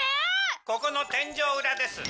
ここの天井うらです。